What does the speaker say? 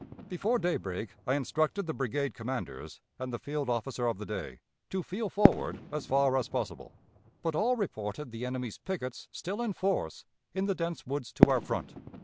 Before daybreak I instructed the brigade commanders and the field officer of the day to feel forward as far as possible; but all reported the enemy's pickets still in force in the dense woods to our front.